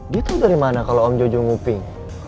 dia tau dari mana kalo om jojo nguping